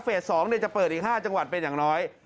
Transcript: ๒จะเปิดอีก๕จังหวัดเป็นอย่างน้อย